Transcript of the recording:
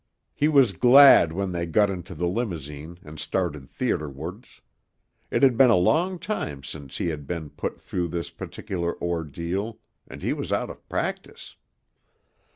He was glad when they got into the limousine and started theaterwards. It had been a long time since he had been put through this particular ordeal and he was out of practice.